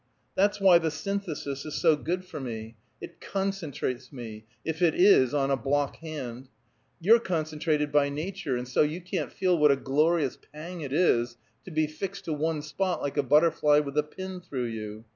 That's why the Synthesis is so good for me; it concentrates me, if it is on a block hand. You're concentrated by nature, and so you can't feel what a glorious pang it is to be fixed to one spot like a butterfly with a pin through you.